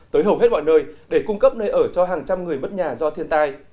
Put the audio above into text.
tới hầu hết mọi nơi để cung cấp nơi ở cho hàng trăm người mất nhà do thiên tai